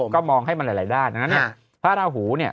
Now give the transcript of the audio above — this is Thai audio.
ก็มองให้มันหลายด้านดังนั้นเนี่ยพระราหูเนี่ย